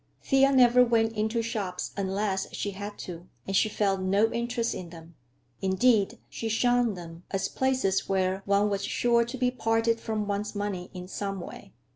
Thea never went into shops unless she had to, and she felt no interest in them. Indeed, she shunned them, as places where one was sure to be parted from one's money in some way.